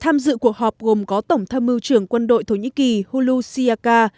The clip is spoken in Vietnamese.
tham dự cuộc họp gồm có tổng tham mưu trưởng quân đội thổ nhĩ kỳ hulu siaka